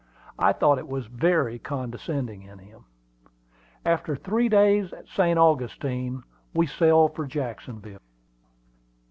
I thought it was very condescending in him. After three days at St. Augustine we sailed for Jacksonville.